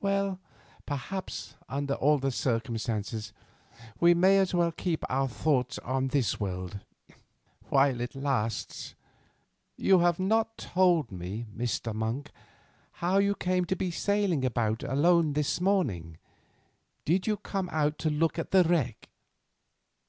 Well, perhaps under all the circumstances, we may as well keep our thoughts on this world—while it lasts. You have not told me, Mr. Monk, how you came to be sailing about alone this morning. Did you come out to look at the wreck?"